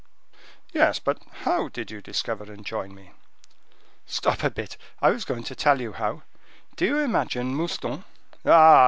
"Yes; but how did you discover and join me?" "Stop a bit. I was going to tell you how. Do you imagine Mouston—" "Ah!